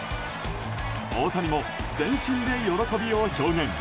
大谷も全身で喜びを表現。